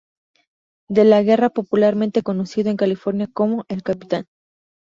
De La Guerra popularmente conocido en California como "El Capitán".